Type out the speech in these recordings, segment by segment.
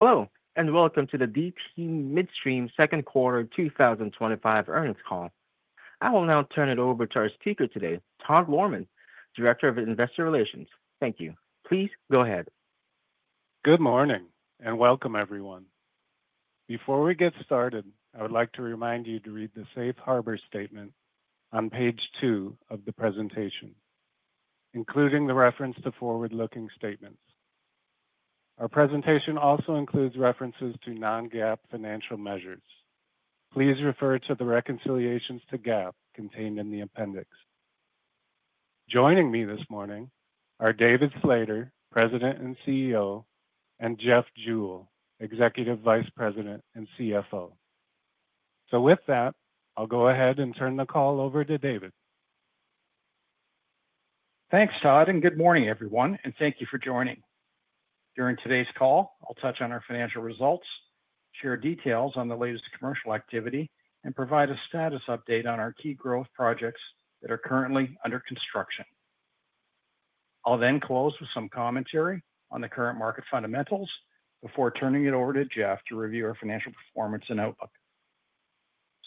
Hello, and welcome to the DT Midstream Second Quarter 2025 Earnings Call. I will now turn it over to our speaker today, Todd Lohrmann, Director of Investor Relations. Thank you. Please go ahead. Good morning, and welcome, everyone. Before we get started, I would like to remind you to read the Safe Harbor Statement on page two of the presentation, including the reference to forward-looking statements. Our presentation also includes references to non-GAAP financial measures. Please refer to the reconciliations to GAAP contained in the appendix. Joining me this morning are David Slater, President and CEO, and Jeff Jewell, Executive Vice President and CFO. With that, I'll go ahead and turn the call over to David. Thanks, Todd, and good morning, everyone, and thank you for joining. During today's call, I'll touch on our financial results, share details on the latest commercial activity, and provide a status update on our key growth projects that are currently under construction. I'll then close with some commentary on the current market fundamentals before turning it over to Jeff to review our financial performance and outlook.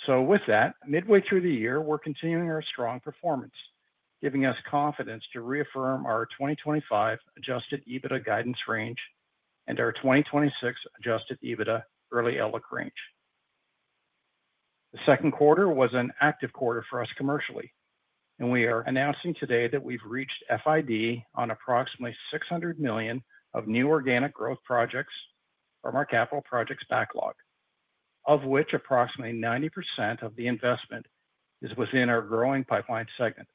With that, midway through the year, we're continuing our strong performance, giving us confidence to reaffirm our 2025 adjusted EBITDA guidance range and our 2026 adjusted EBITDA early outlook range. The second quarter was an active quarter for us commercially, and we are announcing today that we've reached FID on approximately $600 million of new organic growth projects from our capital projects backlog, of which approximately 90% of the investment is within our growing pipeline segment.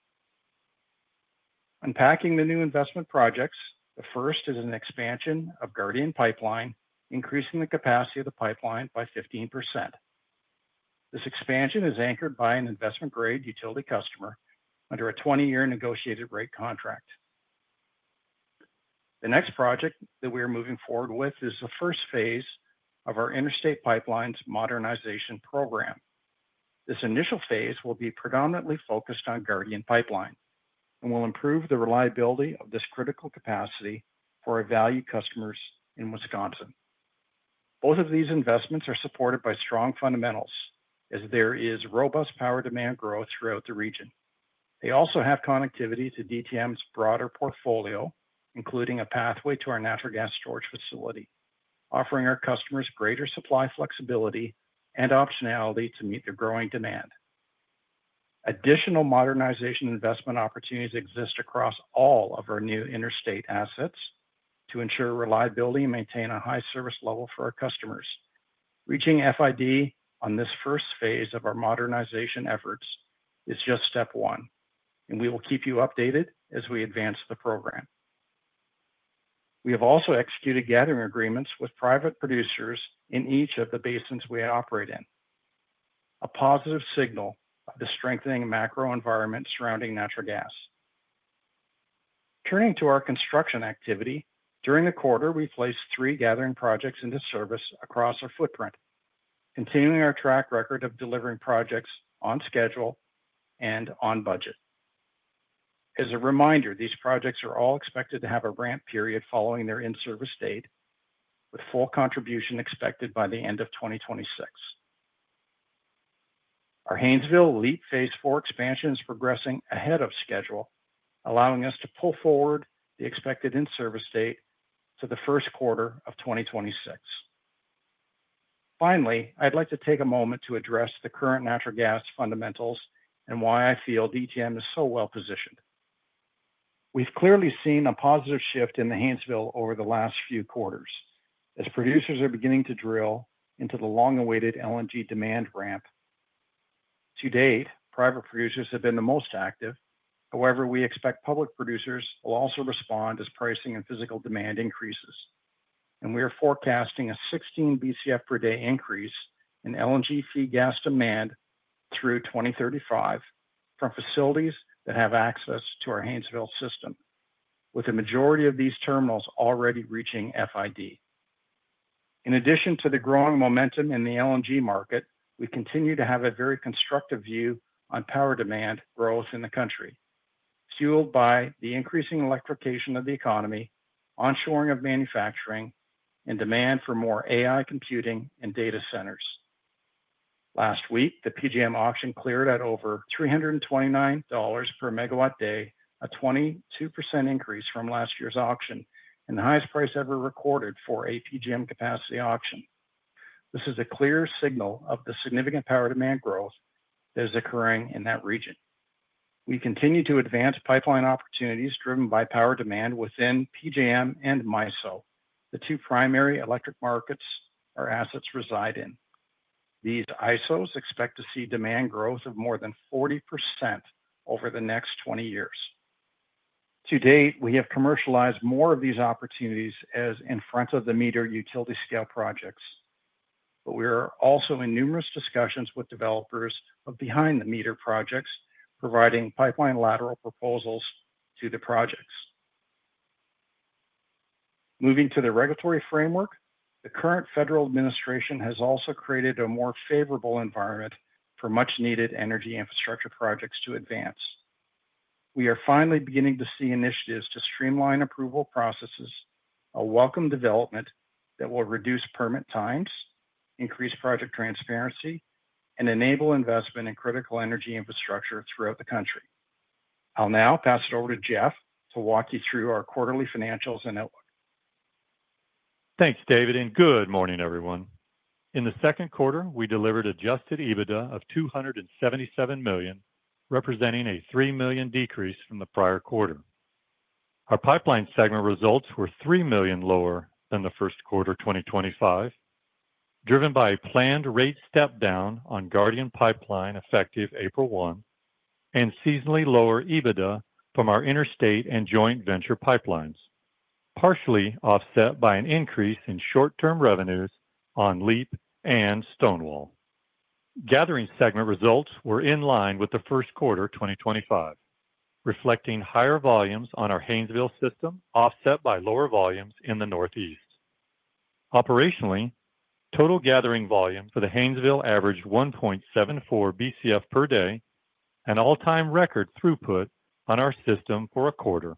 Unpacking the new investment projects, the first is an expansion of Guardian Pipeline, increasing the capacity of the pipeline by 15%. This expansion is anchored by an investment-grade utility customer under a 20-year negotiated rate contract. The next project that we are moving forward with is the first phase of our interstate pipelines modernization program. This initial phase will be predominantly focused on Guardian Pipeline and will improve the reliability of this critical capacity for our value customers in Wisconsin. Both of these investments are supported by strong fundamentals, as there is robust power demand growth throughout the region. They also have connectivity to DTM'sbroader portfolio, including a pathway to our natural gas storage facility, offering our customers greater supply flexibility and optionality to meet their growing demand. Additional modernization investment opportunities exist across all of our new interstate assets to ensure reliability and maintain a high service level for our customers. Reaching FID on this first phase of our modernization efforts is just step one, and we will keep you updated as we advance the program. We have also executed gathering agreements with private producers in each of the basins we operate in, a positive signal of the strengthening macro environment surrounding natural gas. Turning to our construction activity, during the quarter, we placed three gathering projects into service across our footprint, continuing our track record of delivering projects on schedule and on budget. As a reminder, these projects are all expected to have a ramp period following their in-service date, with full contribution expected by the end of 2026. Our Haynesville LEAP Phase 4 expansion is progressing ahead of schedule, allowing us to pull forward the expected in-service date to the first quarter of 2026. Finally, I'd like to take a moment to address the current natural gas fundamentals and why I feel DTM is so well positioned. We've clearly seen a positive shift in the Haynesville over the last few quarters, as producers are beginning to drill into the long-awaited LNG demand ramp. To date, private producers have been the most active; however, we expect public producers will also respond as pricing and physical demand increases, and we are forecasting a 16 Bcf per day increase in LNG feed gas demand through 2035 from facilities that have access to our Haynesville system, with the majority of these terminals already reaching FID. In addition to the growing momentum in the LNG market, we continue to have a very constructive view on power demand growth in the country, fueled by the increasing electrification of the economy, onshoring of manufacturing, and demand for more AI computing and data centers. Last week, the PJM auction cleared at over $329 per megawatt day, a 22% increase from last year's auction and the highest price ever recorded for a PJM capacity auction. This is a clear signal of the significant power demand growth that is occurring in that region. We continue to advance pipeline opportunities driven by power demand within PJM and MISO, the two primary electric markets our assets reside in. These ISOs expect to see demand growth of more than 40% over the next 20 years. To date, we have commercialized more of these opportunities as in front of the meter utility scale projects, but we are also in numerous discussions with developers of behind-the-meter projects, providing pipeline lateral proposals to the projects. Moving to the regulatory framework, the current federal administration has also created a more favorable environment for much-needed energy infrastructure projects to advance. We are finally beginning to see initiatives to streamline approval processes, a welcome development that will reduce permit times, increase project transparency, and enable investment in critical energy infrastructure throughout the country. I'll now pass it over to Jeff to walk you through our quarterly financials and outlook. Thanks, David, and good morning, everyone. In the second quarter, we delivered adjusted EBITDA of $277 million, representing a $3 million decrease from the prior quarter. Our pipeline segment results were $3 million lower than the first quarter 2025, driven by a planned rate step-down on Guardian Pipeline effective April 1 and seasonally lower EBITDA from our interstate and joint venture pipelines, partially offset by an increase in short-term revenues on LEAP and Stonewall. Gathering segment results were in line with the first quarter 2025, reflecting higher volumes on our Haynesville system, offset by lower volumes in the Northeast. Operationally, total gathering volume for the Haynesville averaged 1.74 Bcf per day, an all-time record throughput on our system for a quarter,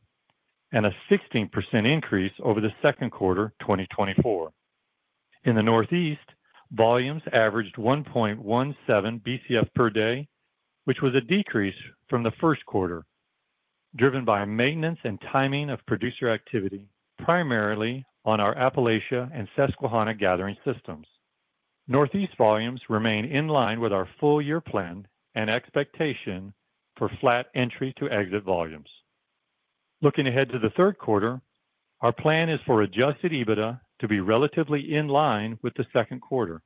and a 16% increase over the second quarter 2024. In the Northeast, volumes averaged 1.17 Bcf per day, which was a decrease from the first quarter, driven by maintenance and timing of producer activity, primarily on our Appalachia and Susquehanna gathering systems. Northeast volumes remain in line with our full year plan and expectation for flat entry-to-exit volumes. Looking ahead to the third quarter, our plan is for adjusted EBITDA to be relatively in line with the second quarter,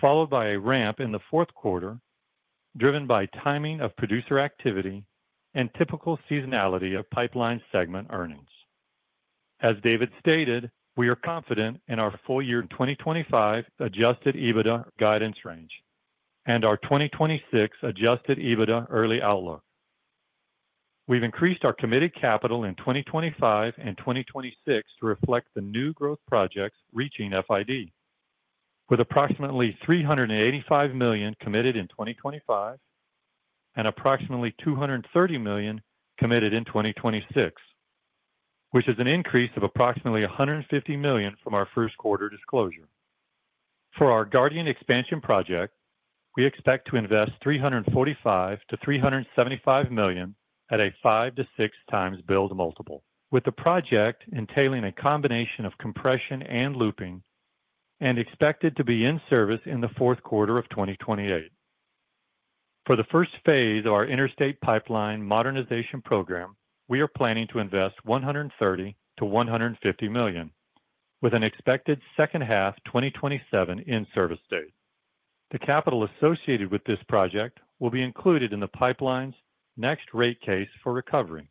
followed by a ramp in the fourth quarter, driven by timing of producer activity and typical seasonality of pipeline segment earnings. As David stated, we are confident in our full year 2025 adjusted EBITDA guidance range and our 2026 adjusted EBITDA early outlook. We've increased our committed capital in 2025 and 2026 to reflect the new growth projects reaching FID, with approximately $385 million committed in 2025 and approximately $230 million committed in 2026, which is an increase of approximately $150 million from our first quarter disclosure. For our Guardian expansion project, we expect to invest $345-$375 million at a five to six times build multiple, with the project entailing a combination of compression and looping and expected to be in service in the fourth quarter of 2028. For the first phase of our interstate pipelines modernization program, we are planning to invest $130-$150 million, with an expected second half 2027 in service date. The capital associated with this project will be included in the pipeline's next rate case for recovery.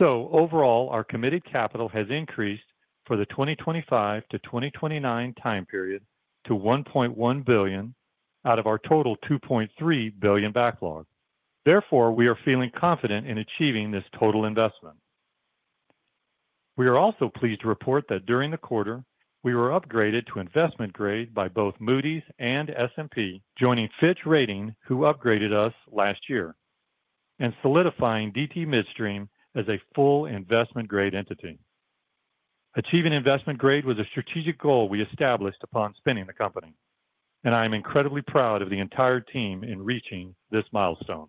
Overall, our committed capital has increased for the 2025 to 2029 time period to $1.1 billion out of our total $2.3 billion backlog. Therefore, we are feeling confident in achieving this total investment. We are also pleased to report that during the quarter, we were upgraded to investment grade by both Moody’s and S&P, joining Fitch Ratings, who upgraded us last year, and solidifying DT Midstream as a full investment grade entity. Achieving investment grade was a strategic goal we established upon spinning the company, and I am incredibly proud of the entire team in reaching this milestone.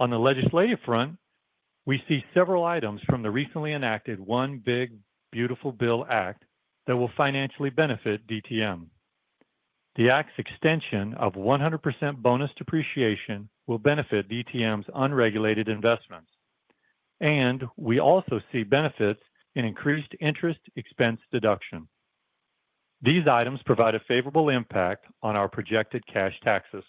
On the legislative front, we see several items from the recently enacted One Big Beautiful Bill Act that will financially benefit DTM. The act’s extension of 100% bonus depreciation will benefit DTM’s unregulated investments, and we also see benefits in increased interest expense deduction. These items provide a favorable impact on our projected cash taxes,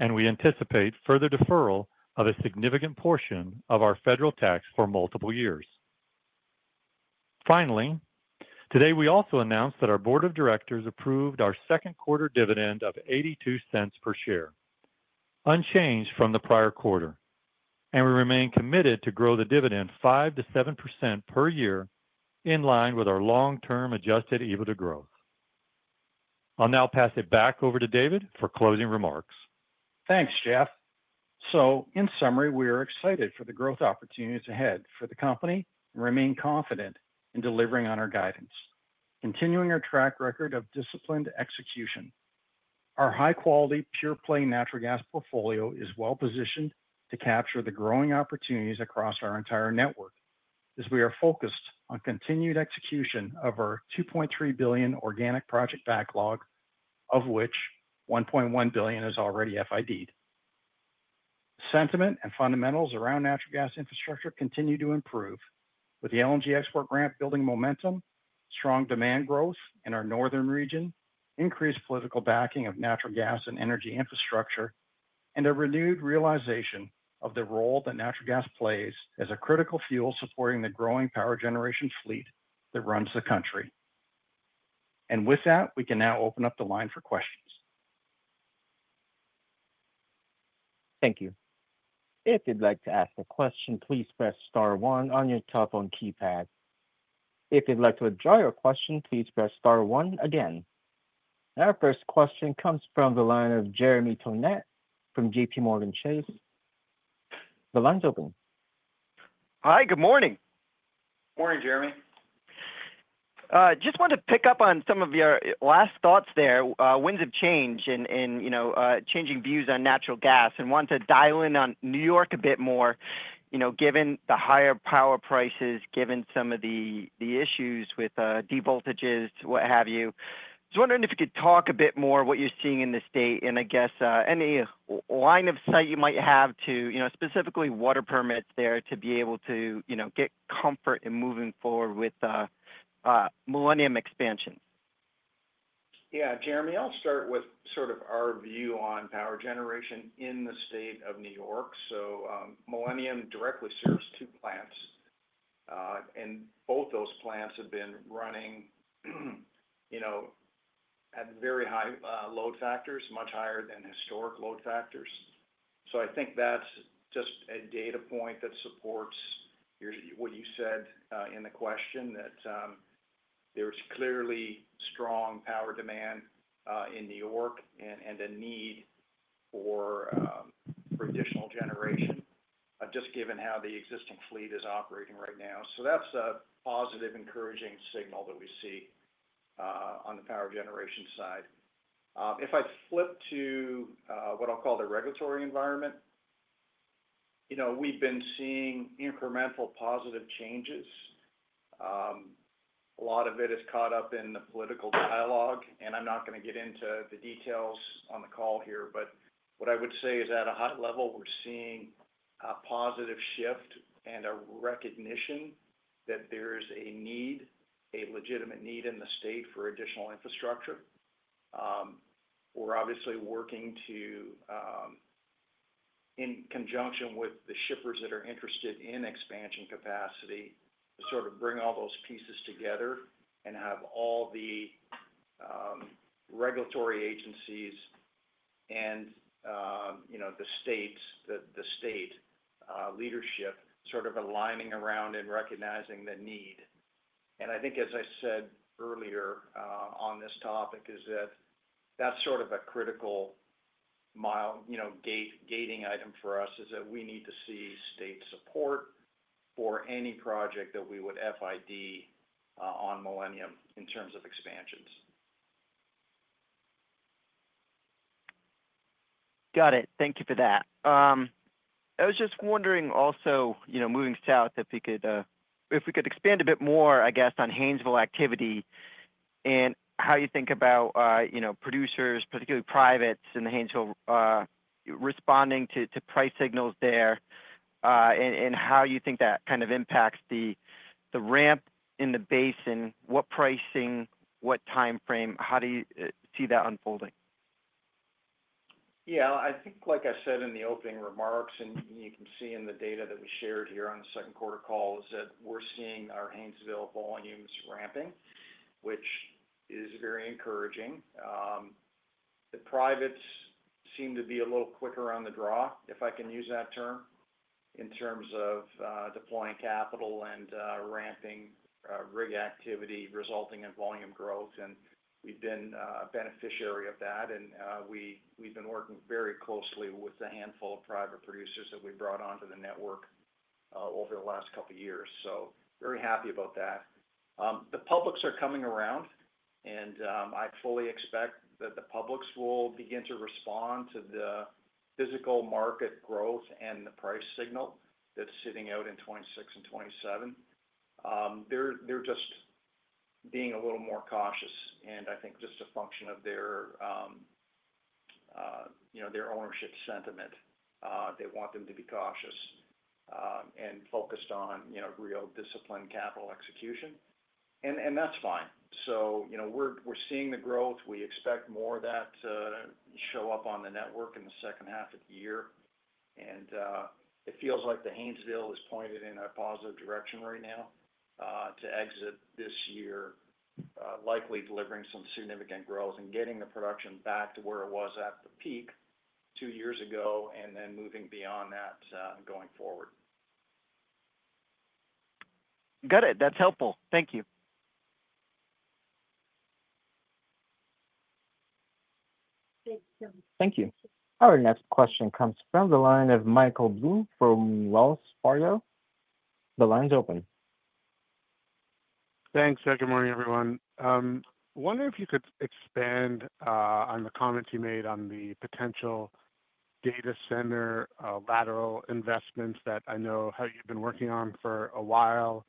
and we anticipate further deferral of a significant portion of our federal tax for multiple years. Finally, today we also announced that our board of directors approved our second quarter dividend of $0.82 per share, unchanged from the prior quarter, and we remain committed to grow the dividend 5%-7% per year in line with our long-term adjusted EBITDA growth. I'll now pass it back over to David for closing remarks. Thanks, Jeff. In summary, we are excited for the growth opportunities ahead for the company and remain confident in delivering on our guidance, continuing our track record of disciplined execution. Our high-quality pure-play natural gas portfolio is well positioned to capture the growing opportunities across our entire network as we are focused on continued execution of our $2.3 billion organic project backlog, of which $1.1 billion is already FID'd. Sentiment and fundamentals around natural gas infrastructure continue to improve, with the LNG export ramp building momentum, strong demand growth in our northern region, increased political backing of natural gas and energy infrastructure, and a renewed realization of the role that natural gas plays as a critical fuel supporting the growing power generation fleet that runs the country. With that, we can now open up the line for questions. Thank you. If you'd like to ask a question, please press star one on your telephone keypad. If you'd like to withdraw your question, please press star one again. Our first question comes from the line of Jeremy Tonet from JPMorgan Chase. The line's open. Hi, good morning. Morning, Jeremy. Just want to pick up on some of your last thoughts there, winds of change and changing views on natural gas, and want to dial in on New York a bit more, given the higher power prices, given some of the issues with de-voltages, what have you. I was wondering if you could talk a bit more about what you're seeing in the state and, I guess, any line of sight you might have to specifically water permits there to be able to get comfort in moving forward with Millennium expansions. Yeah, Jeremy, I'll start with sort of our view on power generation in the state of New York. Millennium directly serves two plants, and both those plants have been running at very high load factors, much higher than historic load factors. I think that's just a data point that supports what you said in the question, that there's clearly strong power demand in New York and a need for additional generation, just given how the existing fleet is operating right now. That's a positive, encouraging signal that we see on the power generation side. If I flip to what I'll call the regulatory environment, we've been seeing incremental positive changes. A lot of it is caught up in the political dialogue, and I'm not going to get into the details on the call here, but what I would say is, at a high level, we're seeing a positive shift and a recognition that there is a need, a legitimate need in the state for additional infrastructure. We're obviously working in conjunction with the shippers that are interested in expansion capacity, to sort of bring all those pieces together and have all the regulatory agencies and the state leadership sort of aligning around and recognizing the need. I think, as I said earlier on this topic, that's sort of a critical gating item for us, is that we need to see state support for any project that we would FID on Millennium in terms of expansions. Got it. Thank you for that. I was just wondering, also, moving south, if we could expand a bit more, I guess, on Haynesville activity. How you think about producers, particularly privates in the Haynesville, responding to price signals there, and how you think that kind of impacts the ramp in the basin, what pricing, what time frame, how do you see that unfolding? Yeah, I think, like I said in the opening remarks, and you can see in the data that we shared here on the second quarter call, we're seeing our Haynesville volumes ramping, which is very encouraging. The privates seem to be a little quicker on the draw, if I can use that term, in terms of deploying capital and ramping rig activity, resulting in volume growth. We've been a beneficiary of that, and we've been working very closely with a handful of private producers that we brought onto the network over the last couple of years. Very happy about that. The publics are coming around. I fully expect that the publics will begin to respond to the physical market growth and the price signal that's sitting out in 2026 and 2027. They're just being a little more cautious, and I think just a function of their ownership sentiment. They want them to be cautious and focused on real disciplined capital execution, and that's fine. We're seeing the growth. We expect more of that to show up on the network in the second half of the year. It feels like the Haynesville is pointed in a positive direction right now to exit this year, likely delivering some significant growth and getting the production back to where it was at the peak two years ago and then moving beyond that going forward. Got it. That's helpful. Thank you. Thank you. Our next question comes from the line of Michael Blum from Wells Fargo. The line's open. Thanks. Good morning, everyone. I wonder if you could expand on the comments you made on the potential data center-related laterals investments that I know you've been working on for a while.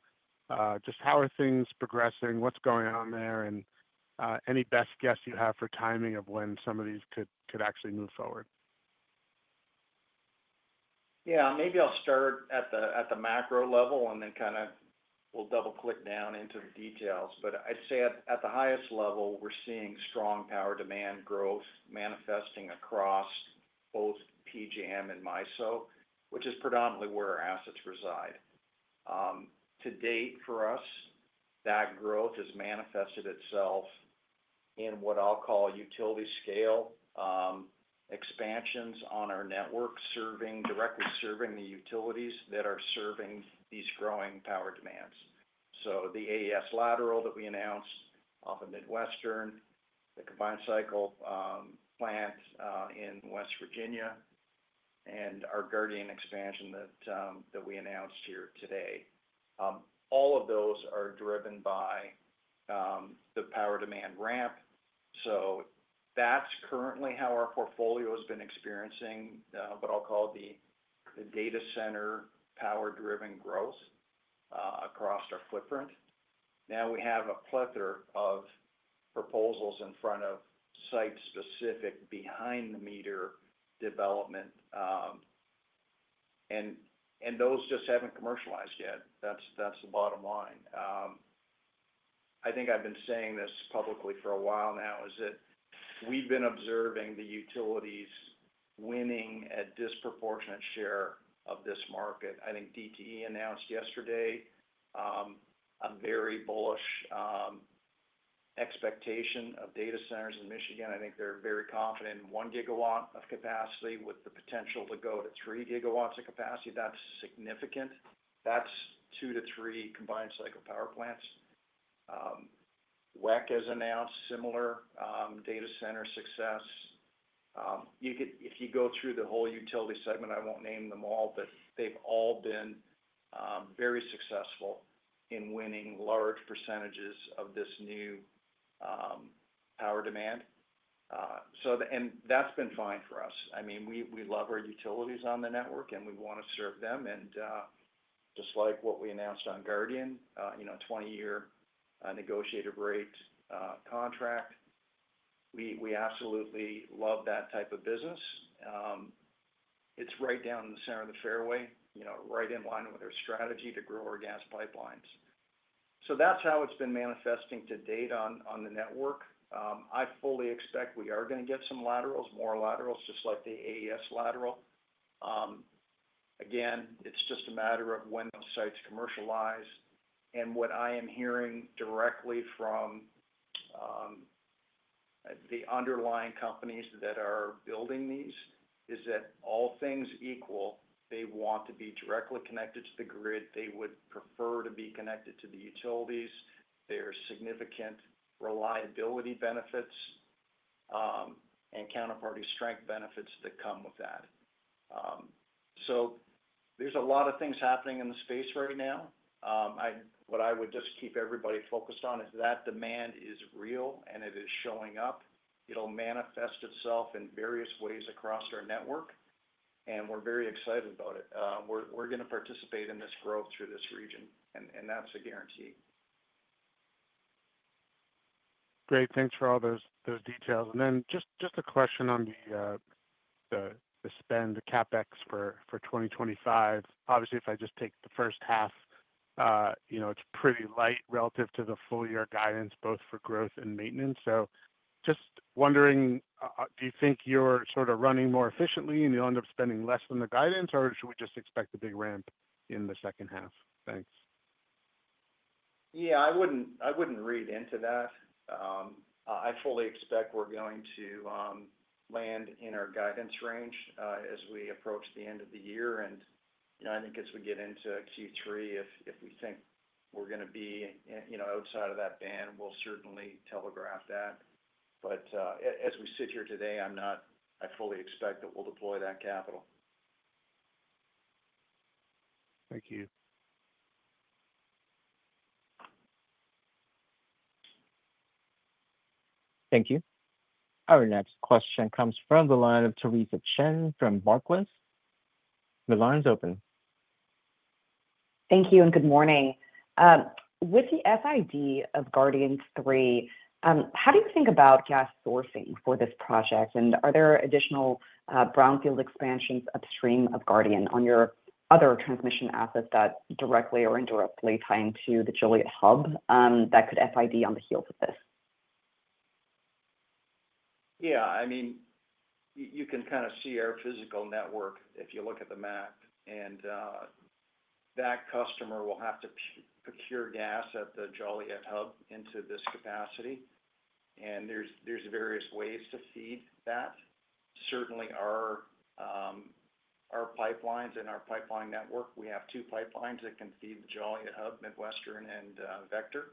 Just how are things progressing? What's going on there? Any best guess you have for timing of when some of these could actually move forward? Yeah, maybe I'll start at the macro level and then we'll double-click down into the details. I'd say at the highest level, we're seeing strong power demand growth manifesting across both PJM and MISO, which is predominantly where our assets reside. To date for us, that growth has manifested itself in what I'll call utility scale expansions on our network directly serving the utilities that are serving these growing power demands. The AES lateral that we announced off of Midwestern, the combined cycle plant in West Virginia, and our Guardian expansion that we announced here today, all of those are driven by the power demand ramp. That's currently how our portfolio has been experiencing what I'll call the data center power-driven growth across our footprint. Now we have a plethora of proposals in front of site-specific behind-the-meter development, and those just haven't commercialized yet. That's the bottom line. I think I've been saying this publicly for a while now, we've been observing the utilities winning a disproportionate share of this market. I think DTE announced yesterday a very bullish expectation of data centers in Michigan. I think they're very confident in one gigawatt of capacity with the potential to go to three gigawatts of capacity. That's significant. That's two to three combined cycle power plants. WEC has announced similar data center success. If you go through the whole utility segment, I won't name them all, but they've all been very successful in winning large percentages of this new power demand. That's been fine for us. We love our utilities on the network, and we want to serve them. Just like what we announced on Guardian, a 20-year negotiated rate contract. We absolutely love that type of business. It's right down in the center of the fairway, right in line with our strategy to grow our gas pipelines. That's how it's been manifesting to date on the network. I fully expect we are going to get some laterals, more laterals, just like the AES lateral. Again, it's just a matter of when those sites commercialize. What I am hearing directly from the underlying companies that are building these is that all things equal, they want to be directly connected to the grid. They would prefer to be connected to the utilities. There are significant reliability benefits and counterparty strength benefits that come with that. There's a lot of things happening in the space right now. What I would just keep everybody focused on is that demand is real, and it is showing up. It'll manifest itself in various ways across our network. We're very excited about it. We're going to participate in this growth through this region, and that's a guarantee. Great. Thanks for all those details. Just a question on the spend, the CapEx for 2025. Obviously, if I just take the first half, it's pretty light relative to the full-year guidance, both for growth and maintenance. Just wondering, do you think you're sort of running more efficiently and you'll end up spending less on the guidance, or should we just expect a big ramp in the second half? Thanks. Yeah, I wouldn't read into that. I fully expect we're going to land in our guidance range as we approach the end of the year. I think as we get into Q3, if we think we're going to be outside of that band, we'll certainly telegraph that. As we sit here today, I fully expect that we'll deploy that capital. Thank you. Thank you. Our next question comes from the line of Theresa Chen from Barclays. The line's open. Thank you and good morning. With the FID of Guardian 3, how do you think about gas sourcing for this project? Are there additional brownfield expansions upstream of Guardian on your other transmission assets that directly or indirectly tie into the Gillis Hub that could FID on the heels of this? Yeah. You can kind of see our physical network if you look at the map. That customer will have to procure gas at the Gillis Hub into this capacity, and there's various ways to feed that. Certainly, our pipelines and our pipeline network, we have two pipelines that can feed the Gillis Hub, Midwestern and Vector.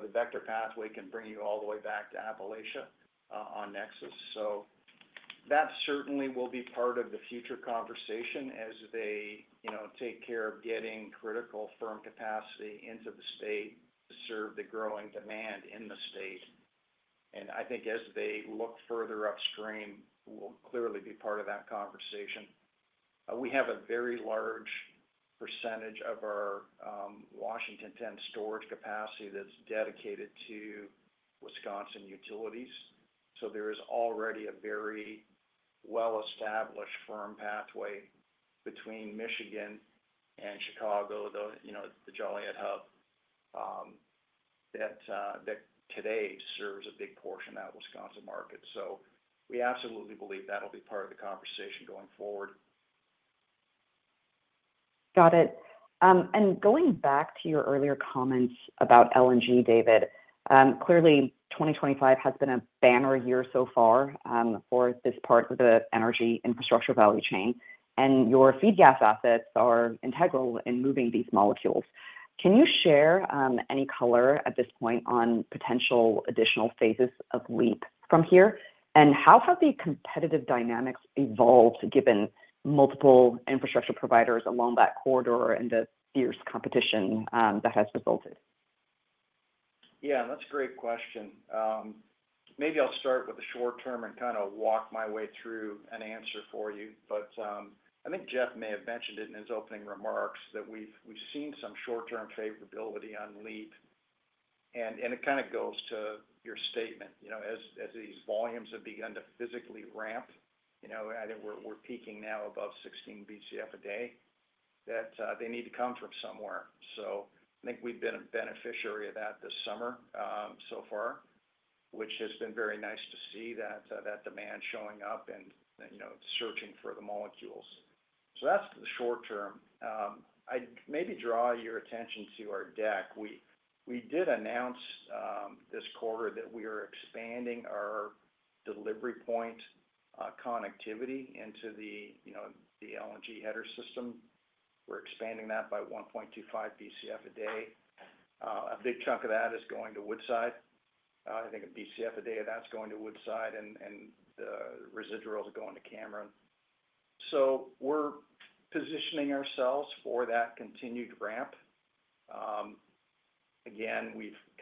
The Vector pathway can bring you all the way back to Appalachia on Nexus. That certainly will be part of the future conversation as they take care of getting critical firm capacity into the state to serve the growing demand in the state. I think as they look further upstream, we'll clearly be part of that conversation. We have a very large percentage of our Washington 10 storage capacity that's dedicated to Wisconsin utilities, so there is already a very well-established firm pathway between Michigan and Chicago, the Gillis Hub. That today serves a big portion of that Wisconsin market. We absolutely believe that'll be part of the conversation going forward. Got it. Going back to your earlier comments about LNG, David, clearly 2025 has been a banner year so far for this part of the energy infrastructure value chain. Your feed gas assets are integral in moving these molecules. Can you share any color at this point on potential additional phases of LEAP from here? How have the competitive dynamics evolved given multiple infrastructure providers along that corridor and the fierce competition that has resulted? Yeah, that's a great question. Maybe I'll start with the short term and kind of walk my way through an answer for you. I think Jeff may have mentioned it in his opening remarks that we've seen some short-term favorability on LEAP, and it kind of goes to your statement. As these volumes have begun to physically ramp, I think we're peaking now above 16 BCF a day, that they need to come from somewhere. I think we've been a beneficiary of that this summer so far, which has been very nice to see that demand showing up and searching for the molecules. That's the short term. I'd maybe draw your attention to our deck. We did announce this quarter that we are expanding our delivery point connectivity into the LNG header system. We're expanding that by 1.25 BCF a day. A big chunk of that is going to Woodside. I think a BCF a day, that's going to Woodside, and the residuals are going to Cameron. We're positioning ourselves for that continued ramp.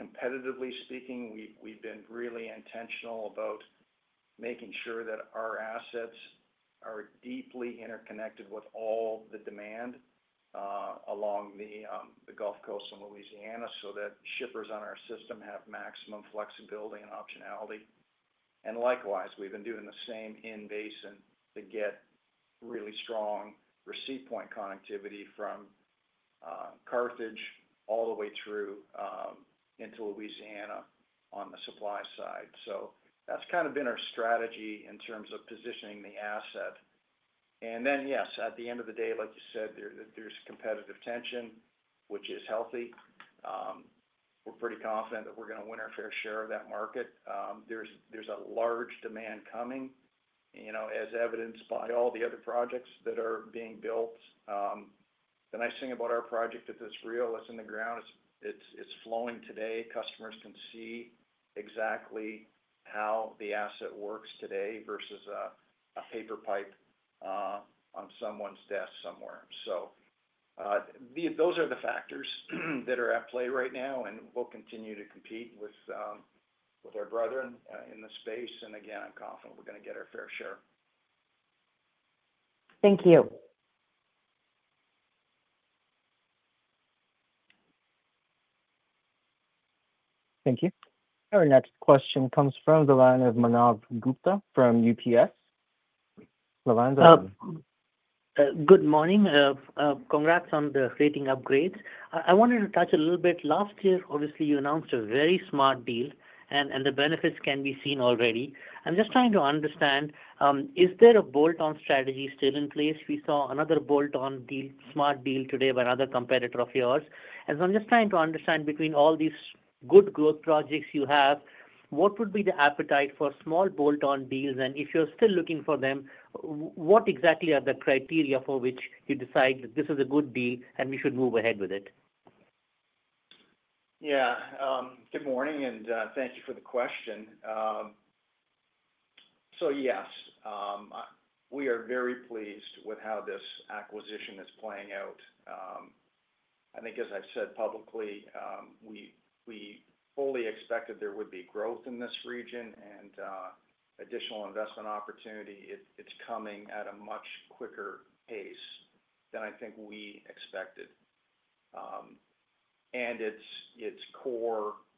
Competitively speaking, we've been really intentional about making sure that our assets are deeply interconnected with all the demand along the Gulf Coast and Louisiana so that shippers on our system have maximum flexibility and optionality. Likewise, we've been doing the same in basin to get really strong receipt point connectivity from Carthage all the way through into Louisiana on the supply side. That's kind of been our strategy in terms of positioning the asset. Yes, at the end of the day, like you said, there's competitive tension, which is healthy. We're pretty confident that we're going to win our fair share of that market. There's a large demand coming, as evidenced by all the other projects that are being built. The nice thing about our project is it's real. It's in the ground. It's flowing today. Customers can see exactly how the asset works today versus a paper pipe on someone's desk somewhere. Those are the factors that are at play right now, and we'll continue to compete with our brethren in the space. Again, I'm confident we're going to get our fair share. Thank you. Thank you. Our next question comes from the line of Manav Gupta from UBS. The line's open. Good morning. Congrats on the rating upgrades. I wanted to touch a little bit. Last year, obviously, you announced a very smart deal, and the benefits can be seen already. I'm just trying to understand. Is there a bolt-on strategy still in place? We saw another bolt-on deal, smart deal today by another competitor of yours. I'm just trying to understand between all these good growth projects you have, what would be the appetite for small bolt-on deals? If you're still looking for them, what exactly are the criteria for which you decide this is a good deal and we should move ahead with it? Good morning, and thank you for the question. Yes, we are very pleased with how this acquisition is playing out. I think, as I've said publicly, we fully expected there would be growth in this region and additional investment opportunity. It's coming at a much quicker pace than I think we expected.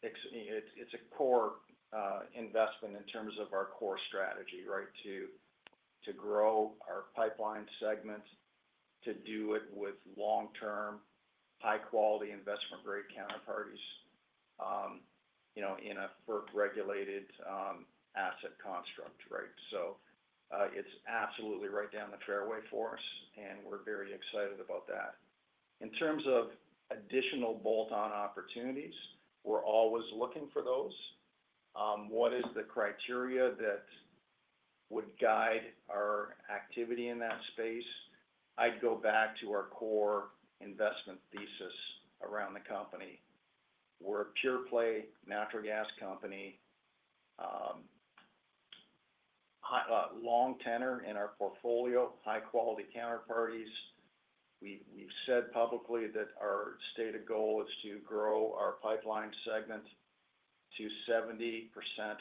It's a core investment in terms of our core strategy to grow our pipeline segment, to do it with long-term, high-quality, investment-grade counterparties in a regulated asset construct. It's absolutely right down the fairway for us, and we're very excited about that. In terms of additional bolt-on opportunities, we're always looking for those. What is the criteria that would guide our activity in that space? I'd go back to our core investment thesis around the company. We're a pure-play natural gas company. Long tenor in our portfolio, high-quality counterparties. We've said publicly that our stated goal is to grow our pipeline segment to 70%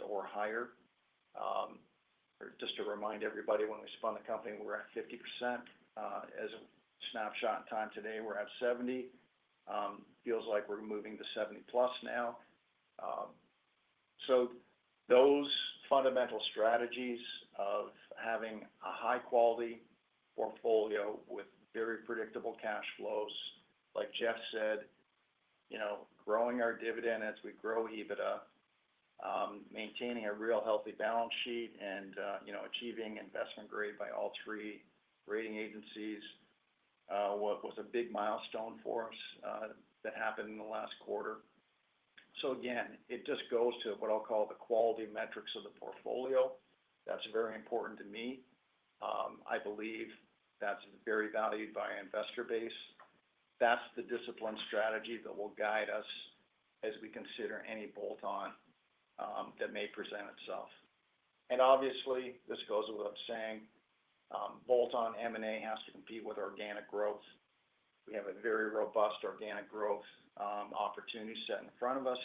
or higher. Just to remind everybody, when we spun the company, we were at 50%. As a snapshot in time today, we're at 70%. Feels like we're moving to 70-plus now. Those fundamental strategies of having a high-quality portfolio with very predictable cash flows, like Jeff said, growing our dividend as we grow EBITDA, maintaining a real healthy balance sheet, and achieving investment grade by all three rating agencies, was a big milestone for us that happened in the last quarter. It just goes to what I'll call the quality metrics of the portfolio. That's very important to me. I believe that's very valued by our investor base. That's the discipline strategy that will guide us as we consider any bolt-on that may present itself. Obviously, this goes with what I'm saying. Bolt-on M&A has to compete with organic growth. We have a very robust organic growth opportunity set in front of us.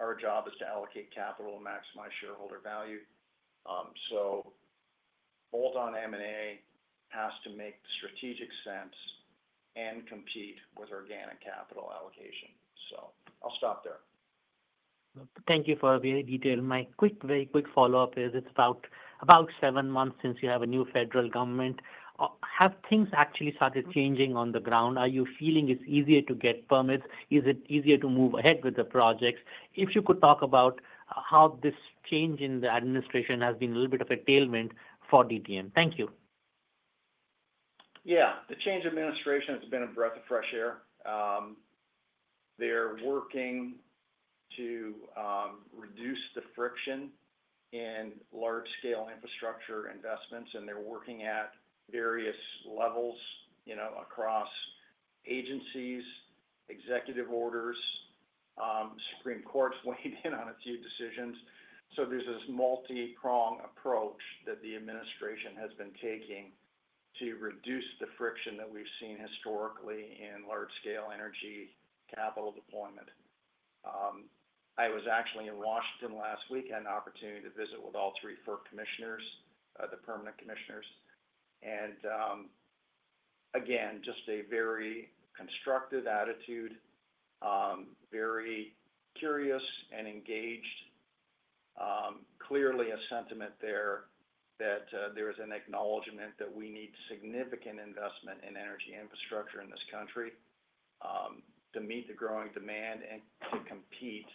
Our job is to allocate capital and maximize shareholder value. Bolt-on M&A has to make strategic sense and compete with organic capital allocation. I'll stop there. Thank you for a very detailed, my quick, very quick follow-up is it's about seven months since you have a new federal government. Have things actually started changing on the ground? Are you feeling it's easier to get permits? Is it easier to move ahead with the projects? If you could talk about how this change in the administration has been a little bit of a tailwind for DTM. Thank you. Yeah. The change of administration has been a breath of fresh air. They're working to reduce the friction in large-scale infrastructure investments, and they're working at various levels across agencies, executive orders. Supreme Court's weighed in on a few decisions. There's this multi-prong approach that the administration has been taking to reduce the friction that we've seen historically in large-scale energy capital deployment. I was actually in Washington last week and had an opportunity to visit with all three firm commissioners, the permanent commissioners. Again, just a very constructive attitude. Very curious and engaged. Clearly a sentiment there that there is an acknowledgment that we need significant investment in energy infrastructure in this country to meet the growing demand and to compete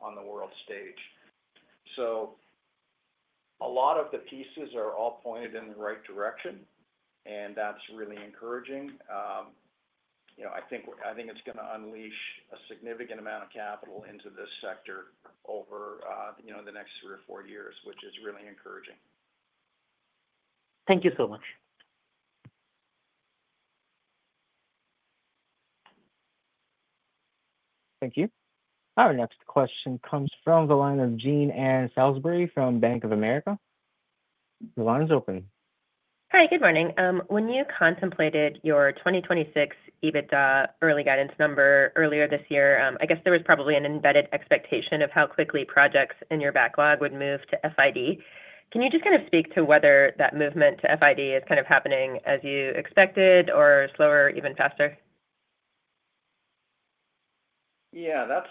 on the world stage. A lot of the pieces are all pointed in the right direction, and that's really encouraging. I think it's going to unleash a significant amount of capital into this sector over the next three or four years, which is really encouraging. Thank you so much. Thank you. Our next question comes from the line of Jean Ann Salisbury from Bank of America. The line's open. Hi, good morning. When you contemplated your 2026 adjusted EBITDA early guidance number earlier this year, I guess there was probably an embedded expectation of how quickly projects in your capital backlog would move to FID. Can you just kind of speak to whether that movement to FID is kind of happening as you expected or slower, even faster? Yeah, that's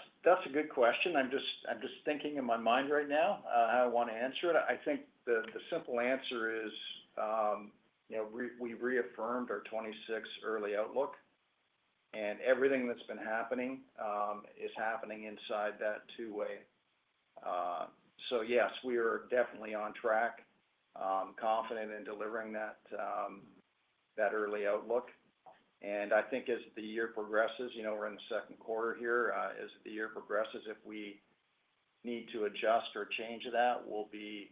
a good question. I'm just thinking in my mind right now how I want to answer it. I think the simple answer is we reaffirmed our 2026 early outlook, and everything that's been happening is happening inside that two-way. Yes, we are definitely on track, confident in delivering that early outlook. I think as the year progresses, we're in the second quarter here. As the year progresses, if we need to adjust or change that, we'll be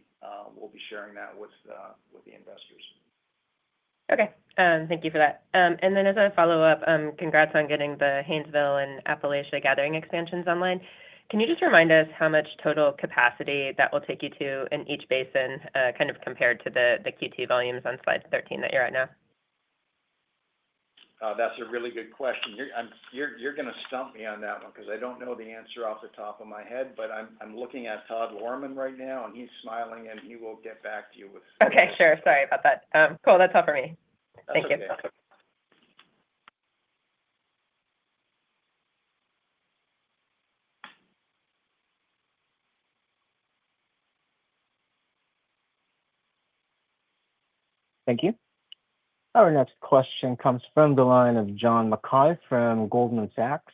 sharing that with the investors. Okay. Thank you for that. As a follow-up, congrats on getting the Haynesville and Appalachia Gathering expansions online. Can you just remind us how much total capacity that will take you to in each basin compared to the Q2 volumes on slide 13 that you're at now? That's a really good question. You're going to stump me on that one because I don't know the answer off the top of my head, but I'm looking at Todd Lohrmann right now, and he's smiling, and he will get back to you with it. Okay, sure. Sorry about that. Cool. That's all for me. Thank you. Okay. Thank you. Our next question comes from the line of John Mackay from Goldman Sachs.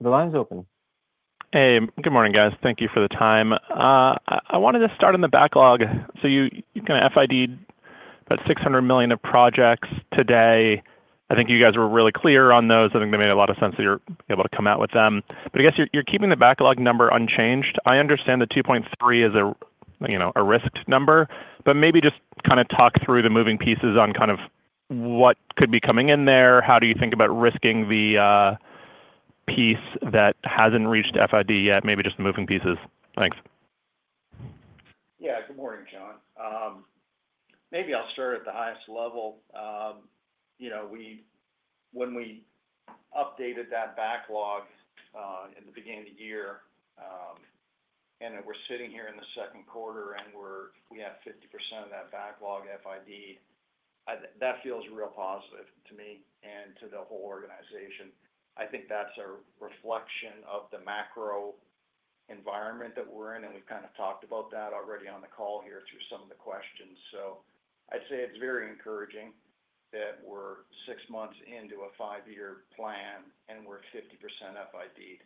The line's open. Hey, good morning, guys. Thank you for the time. I wanted to start in the backlog. You kind of FID'd about $600 million of projects today. I think you guys were really clear on those. I think they made a lot of sense that you're able to come out with them. I guess you're keeping the backlog number unchanged. I understand the $2.3 billion is a risked number, but maybe just kind of talk through the moving pieces on what could be coming in there. How do you think about risking the piece that hasn't reached FID yet? Maybe just moving pieces. Thanks. Yeah. Good morning, John. Maybe I'll start at the highest level. When we updated that backlog in the beginning of the year, and we're sitting here in the second quarter, and we have 50% of that backlog FID'd, that feels real positive to me and to the whole organization. I think that's a reflection of the macro environment that we're in, and we've kind of talked about that already on the call here through some of the questions. I'd say it's very encouraging that we're six months into a five-year plan, and we're 50% FID'd.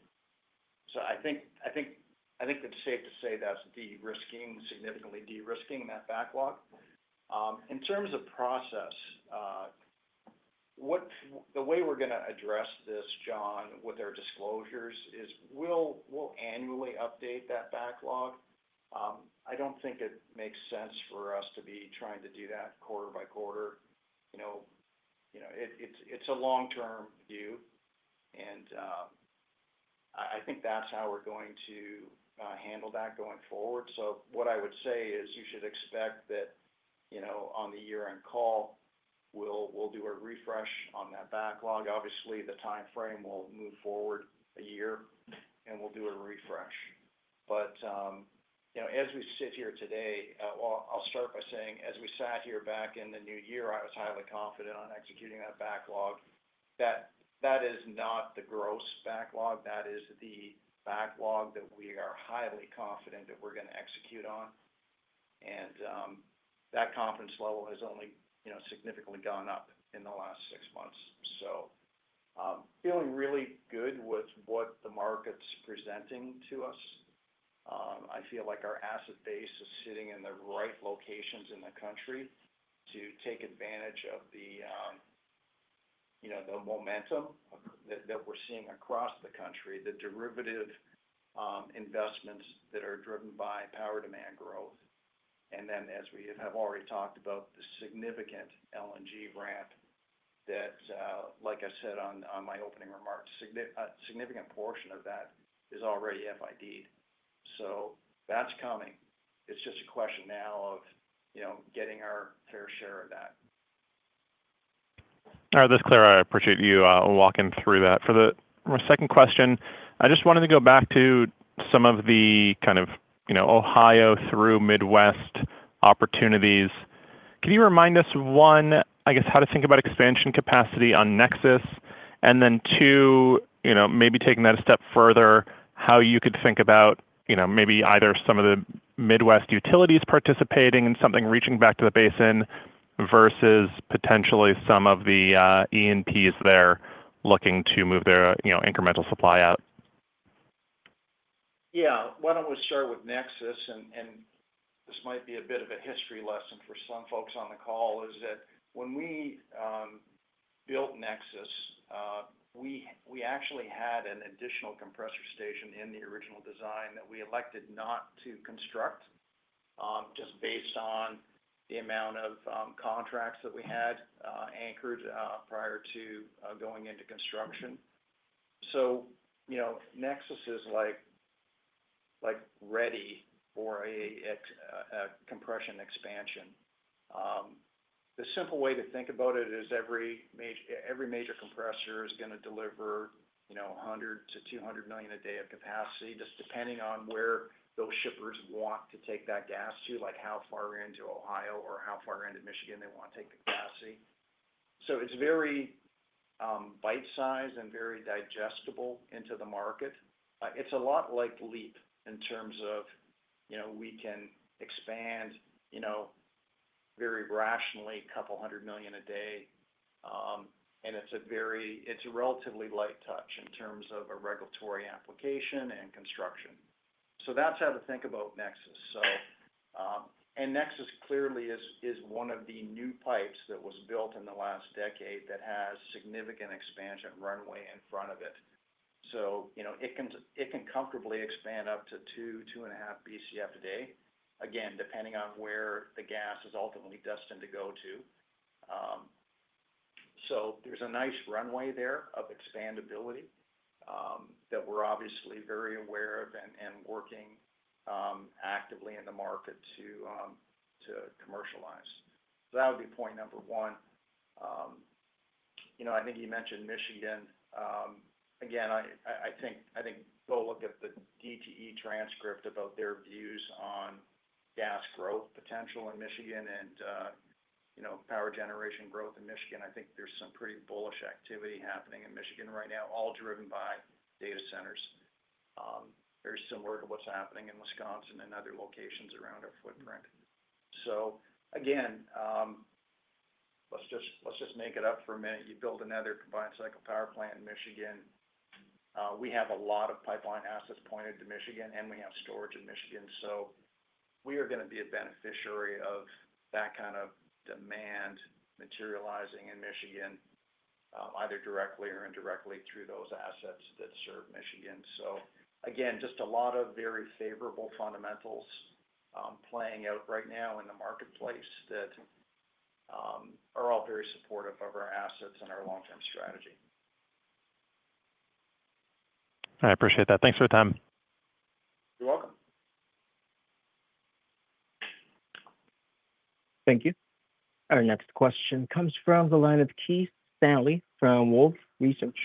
I think it's safe to say that's significantly de-risking that backlog. In terms of process, the way we're going to address this, John, with our disclosures is we'll annually update that backlog. I don't think it makes sense for us to be trying to do that quarter by quarter. It's a long-term view, and I think that's how we're going to handle that going forward. What I would say is you should expect that on the year-end call, we'll do a refresh on that backlog. Obviously, the timeframe will move forward a year, and we'll do a refresh. As we sit here today, I'll start by saying as we sat here back in the new year, I was highly confident on executing that backlog. That is not the gross backlog. That is the backlog that we are highly confident that we're going to execute on, and that confidence level has only significantly gone up in the last six months. Feeling really good with what the market's presenting to us. I feel like our asset base is sitting in the right locations in the country to take advantage of the momentum that we're seeing across the country, the derivative investments that are driven by power demand growth. As we have already talked about, the significant LNG ramp that, like I said in my opening remarks, a significant portion of that is already FID'd. That's coming. It's just a question now of getting our fair share of that. All right. That's clear. I appreciate you walking through that. For the second question, I just wanted to go back to some of the Ohio through Midwest opportunities. Can you remind us, one, I guess, how to think about expansion capacity on Nexus? And then two, maybe taking that a step further, how you could think about maybe either some of the Midwest utilities participating in something reaching back to the basin versus potentially some of the E&Ps there looking to move their incremental supply out? Yeah. What I was shared with Nexus, and this might be a bit of a history lesson for some folks on the call, is that when we built Nexus, we actually had an additional compressor station in the original design that we elected not to construct just based on the amount of contracts that we had anchored prior to going into construction. Nexus is ready for a compression expansion. The simple way to think about it is every major compressor is going to deliver $100 million to $200 million a day of capacity, just depending on where those shippers want to take that gas to, like how far into Ohio or how far into Michigan they want to take the capacity. It's very bite-sized and very digestible into the market. It's a lot like LEAP in terms of we can expand very rationally a couple hundred million a day, and it's a relatively light touch in terms of a regulatory application and construction. That's how to think about Nexus. Nexus clearly is one of the new pipes that was built in the last decade that has significant expansion runway in front of it. It can comfortably expand up to 2, 2.5 Bcf a day, again, depending on where the gas is ultimately destined to go to. There's a nice runway there of expandability that we're obviously very aware of and working actively in the market to commercialize. That would be point number one. I think you mentioned Michigan. Go look at the DTE transcript about their views on gas growth potential in Michigan and power generation growth in Michigan. I think there's some pretty bullish activity happening in Michigan right now, all driven by data centers. Very similar to what's happening in Wisconsin and other locations around our footprint. Let's just make it up for a minute. You build another combined cycle power plant in Michigan. We have a lot of pipeline assets pointed to Michigan, and we have storage in Michigan. We are going to be a beneficiary of that kind of demand materializing in Michigan, either directly or indirectly through those assets that serve Michigan. Just a lot of very favorable fundamentals playing out right now in the marketplace that are all very supportive of our assets and our long-term strategy. I appreciate that. Thanks for your time. You're welcome. Thank you. Our next question comes from the line of Keith Stanley from Wolfe Research.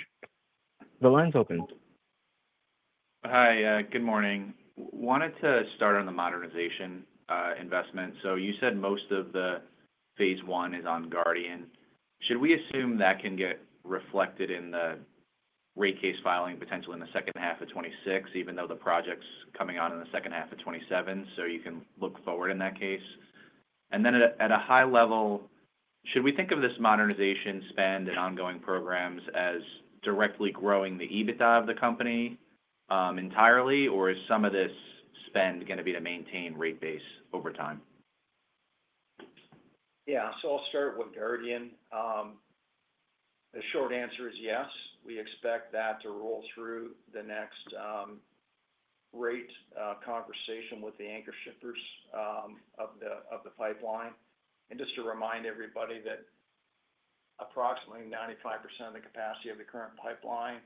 The line's open. Hi. Good morning. Wanted to start on the modernization investment. You said most of the phase one is on Guardian. Should we assume that can get reflected in the rate case filing potential in the second half of 2026, even though the project's coming on in the second half of 2027? You can look forward in that case. At a high level, should we think of this modernization spend and ongoing programs as directly growing the EBITDA of the company entirely, or is some of this spend going to be to maintain rate base over time? Yeah. I'll start with Guardian. The short answer is yes. We expect that to roll through the next rate conversation with the anchor shippers of the pipeline. Just to remind everybody, approximately 95% of the capacity of the current pipeline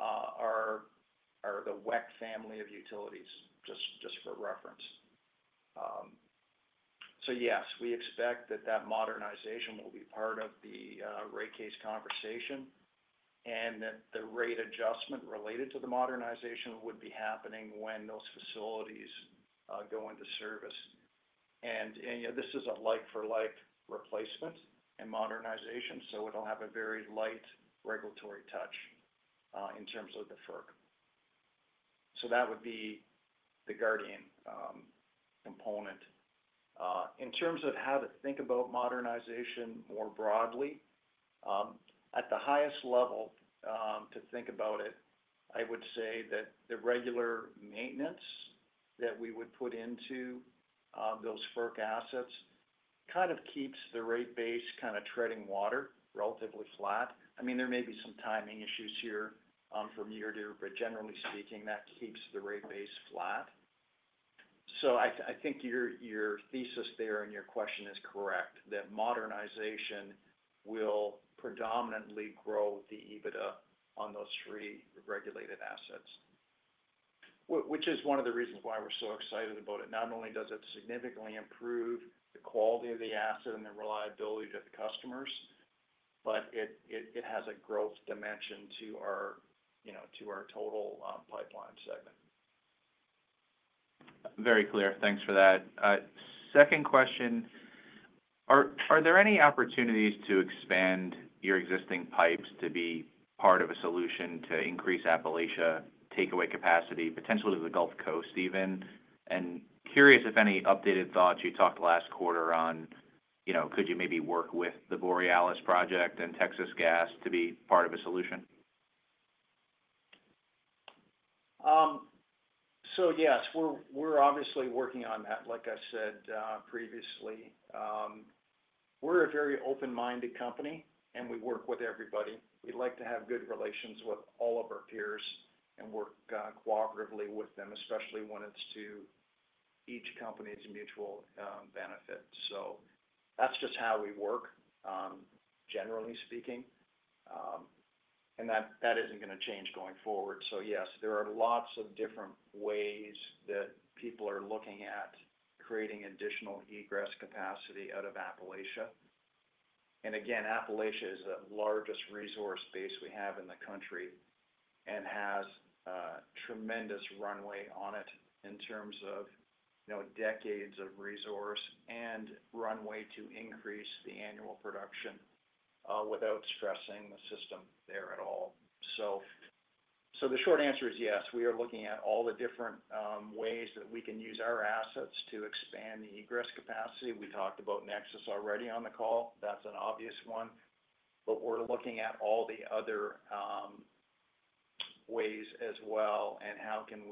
are the WEC family of utilities, just for reference. Yes, we expect that modernization will be part of the rate case conversation and that the rate adjustment related to the modernization would be happening when those facilities go into service. This is a like-for-like replacement and modernization, so it'll have a very light regulatory touch in terms of the FERC. That would be the Guardian component. In terms of how to think about modernization more broadly, at the highest level to think about it, I would say that the regular maintenance that we would put into those FERC assets kind of keeps the rate base treading water, relatively flat. There may be some timing issues here from year to year, but generally speaking, that keeps the rate base flat. I think your thesis there and your question is correct, that modernization will predominantly grow the EBITDA on those three regulated assets, which is one of the reasons why we're so excited about it. Not only does it significantly improve the quality of the asset and the reliability to the customers, but it has a growth dimension to our total pipeline segment. Very clear. Thanks for that. Second question. Are there any opportunities to expand your existing pipes to be part of a solution to increase Appalachia takeaway capacity, potentially to the Gulf Coast even? Curious if any updated thoughts you talked last quarter on. Could you maybe work with the Borealis project and Texas Gas to be part of a solution? Yes, we're obviously working on that, like I said previously. We're a very open-minded company, and we work with everybody. We'd like to have good relations with all of our peers and work cooperatively with them, especially when it's to each company's mutual benefit. That's just how we work, generally speaking, and that isn't going to change going forward. There are lots of different ways that people are looking at creating additional egress capacity out of Appalachia. Again, Appalachia is the largest resource base we have in the country and has tremendous runway on it in terms of decades of resource and runway to increase the annual production without stressing the system there at all. The short answer is yes, we are looking at all the different ways that we can use our assets to expand the egress capacity. We talked about Nexus already on the call. That's an obvious one, but we're looking at all the other ways as well and how we can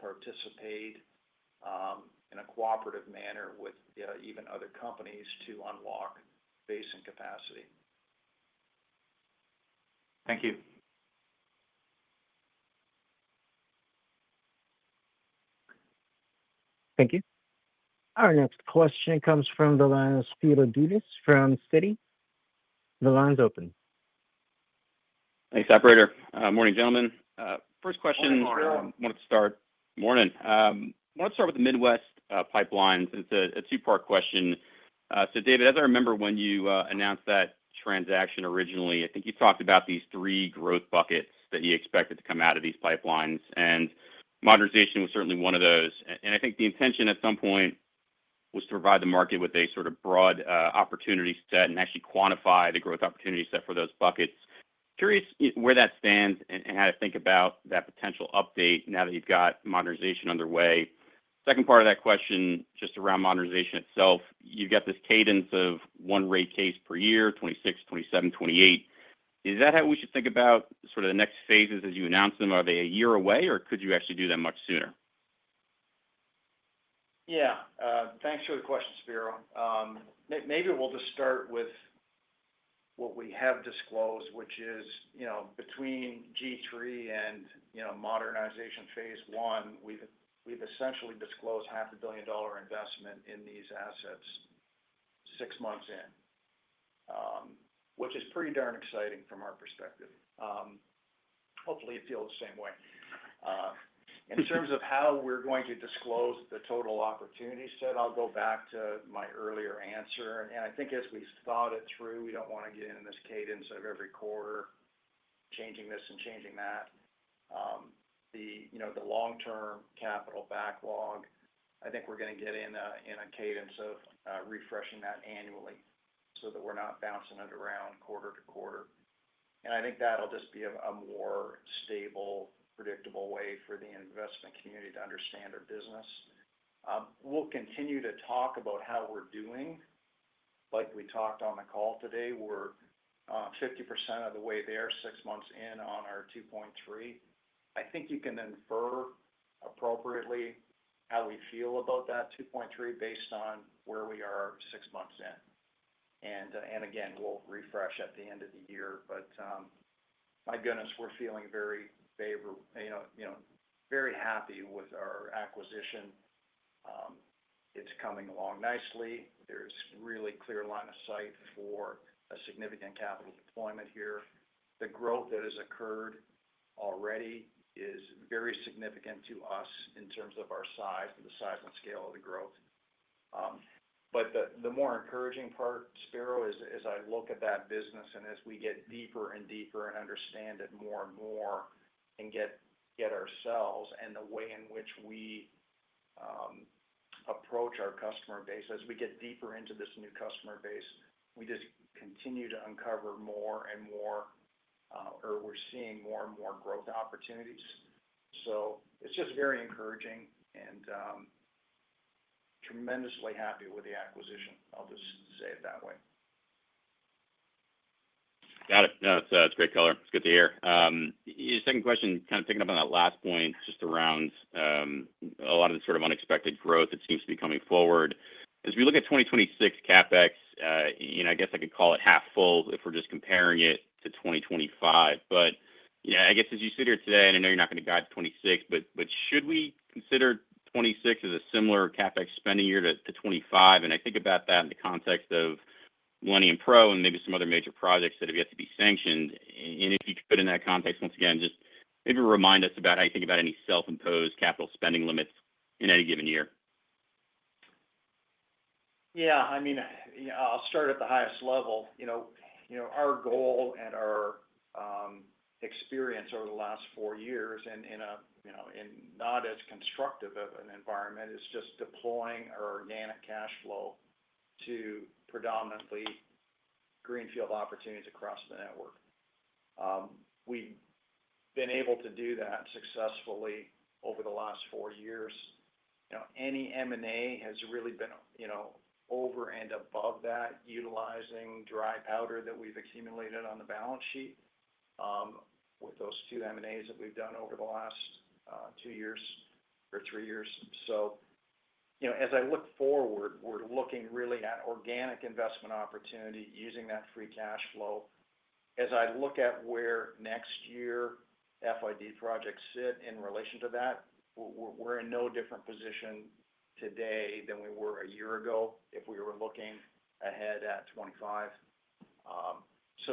participate in a cooperative manner with even other companies to unlock basin capacity. Thank you. Thank you. Our next question comes from the line of Spiro Dounis from Citi. The line's open. Thanks. Morning, gentlemen. First question. Morning. Morning. I want to start with the Midwest pipelines. It's a two-part question. David, as I remember when you announced that transaction originally, I think you talked about these three growth buckets that you expected to come out of these pipelines. Modernization was certainly one of those. I think the intention at some point was to provide the market with a sort of broad opportunity set and actually quantify the growth opportunity set for those buckets. Curious where that stands and how to think about that potential update now that you've got modernization underway. Second part of that question, just around modernization itself, you've got this cadence of one rate case per year, 2026, 2027, 2028. Is that how we should think about sort of the next phases as you announce them? Are they a year away, or could you actually do that much sooner? Yeah. Thanks for the question, Spiro. Maybe we'll just start with what we have disclosed, which is between G3 and modernization phase one, we've essentially disclosed a $500 million investment in these assets. Six months in, which is pretty darn exciting from our perspective. Hopefully, you feel the same way. In terms of how we're going to disclose the total opportunity set, I'll go back to my earlier answer. I think as we thought it through, we don't want to get in this cadence of every quarter changing this and changing that. The long-term capital backlog, I think we're going to get in a cadence of refreshing that annually so that we're not bouncing it around quarter to quarter. I think that'll just be a more stable, predictable way for the investment community to understand our business. We'll continue to talk about how we're doing. Like we talked on the call today, we're 50% of the way there six months in on our $2.3 billion. I think you can infer appropriately how we feel about that $2.3 billion based on where we are six months in. Again, we'll refresh at the end of the year. My goodness, we're feeling very happy with our acquisition. It's coming along nicely. There's a really clear line of sight for a significant capital deployment here. The growth that has occurred already is very significant to us in terms of our size and the size and scale of the growth. The more encouraging part, Spiro, is as I look at that business and as we get deeper and deeper and understand it more and more and get ourselves and the way in which we approach our customer base, as we get deeper into this new customer base, we just continue to uncover more and more. We're seeing more and more growth opportunities. It's just very encouraging and tremendously happy with the acquisition. I'll just say it that way. Got it. No, that's great. It's good to hear. Second question, kind of picking up on that last point just around a lot of the sort of unexpected growth that seems to be coming forward. As we look at 2026 CapEx, I guess I could call it half full if we're just comparing it to 2025. I guess as you sit here today, and I know you're not going to guide 2026, should we consider 2026 as a similar CapEx spending year to 2025? I think about that in the context of Millennium Pro and maybe some other major projects that have yet to be sanctioned. If you could, in that context, once again, just maybe remind us about how you think about any self-imposed capital spending limits in any given year. Yeah. I'll start at the highest level. Our goal and our experience over the last four years in a not as constructive of an environment is just deploying our organic cash flow to predominantly greenfield opportunities across the network. We've been able to do that successfully over the last four years. Any M&A has really been over and above that, utilizing dry powder that we've accumulated on the balance sheet. With those two M&As that we've done over the last two years or three years. As I look forward, we're looking really at organic investment opportunity using that free cash flow. As I look at where next year FID projects sit in relation to that, we're in no different position today than we were a year ago if we were looking ahead at 2025.